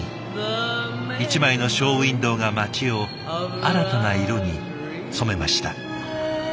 一枚のショーウィンドーが街を新たな色に染めました。